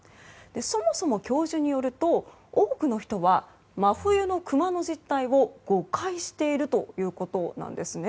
そもそも教授によると多くの人は真冬のクマの実態を誤解しているということです。